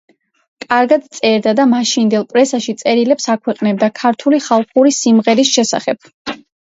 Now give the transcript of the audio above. კარგად წერდა და მაშინდელ პრესაში წერილებს აქვეყნებდა ქართული ხალხური სიმღერის შესახებ.